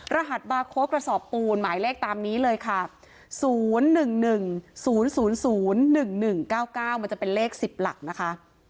รหัสบาโค้กกระสอบปูนหมายเลขตามนี้เลยค่ะ๐๑๑๐๐๑๑๙๙มันจะเป็นเลข๑๐หลักนะคะ